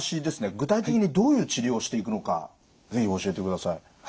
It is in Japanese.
具体的にどういう治療をしていくのか是非教えてください。